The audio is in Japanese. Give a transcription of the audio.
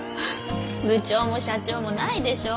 部長も社長もないでしょ？